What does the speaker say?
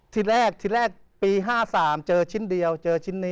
ทีแรกที่แรกปี๕๓เจอชิ้นเดียวเจอชิ้นนี้